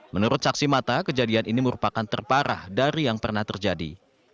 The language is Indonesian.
menurut saksi mata kejadian ini merupakan terparah dari yang pernah terjadi